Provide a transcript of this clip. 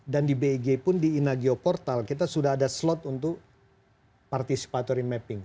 dan di big pun di inageo portal kita sudah ada slot untuk participatory mapping